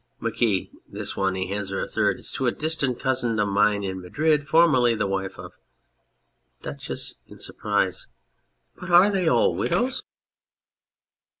MARQUIS. This one (he hands her a third) is to a distant cousin of mine in Madrid, formerly the wife of DUCHESS (in surprise]. But are they all widows